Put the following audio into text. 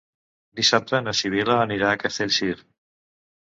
Dissabte na Sibil·la anirà a Castellcir.